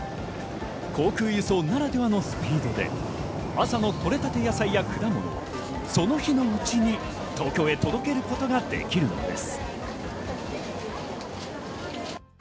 航空輸送ならではのスピードで、朝のとれたて野菜や果物をその日のうちに東京へ届けることができるのです。